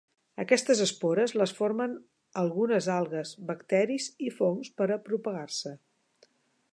Aquestes espores les formen algunes algues, bacteris i fongs per a propagar-se.